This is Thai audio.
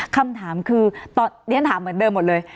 คำถามคือเรียนถามเหมือนเดิมหมดเลย